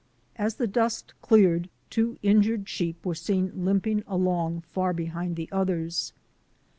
As the dust cleared, tv/o injured sheep were seen limping along far behind the others.